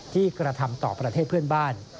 กระทำต่อประเทศเพื่อนบ้าน